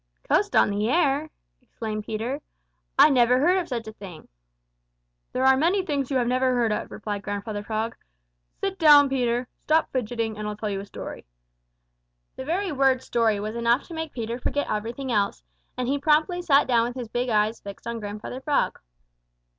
"Coast on the air!" exclaimed Peter. "I never heard of such a thing." "There are many things you never have heard of," replied Grandfather Frog. "Sit down, Peter, and stop fidgeting, and I'll tell you a story." The very word story was enough to make Peter forget everything else, and he promptly sat down with his big eyes fixed on Grandfather Frog.